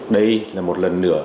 đây là một lần nữa